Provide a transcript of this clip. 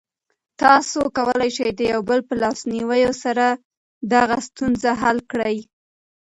تاسو کولی شئ د یو بل په لاسنیوي سره دغه ستونزه حل کړئ.